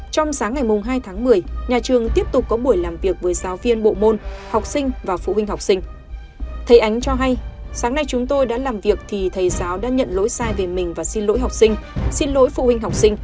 trong sáng ngày hai tháng một mươi nhà trường tiếp tục có buổi làm việc với giáo viên bộ môn